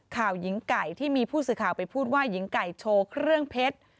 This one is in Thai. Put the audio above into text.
หญิงไก่ที่มีผู้สื่อข่าวไปพูดว่าหญิงไก่โชว์เครื่องเพชร